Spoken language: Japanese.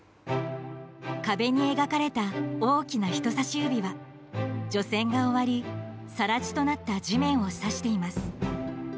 壁に描かれた大きな人さし指は除染が終わり更地となった地面を指しています。